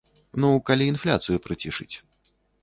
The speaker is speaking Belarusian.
Ну, калі інфляцыю прыцішыць.